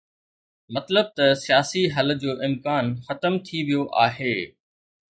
مطلب ته سياسي حل جو امڪان ختم ٿي ويو آهي.